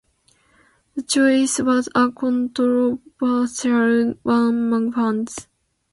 The choice was a controversial one among fans.